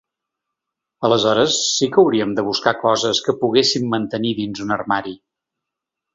Aleshores, sí que hauríem de buscar coses que poguéssim mantenir dins un armari.